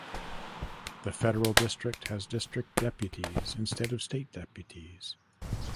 The Federal District has district deputies instead of state deputies.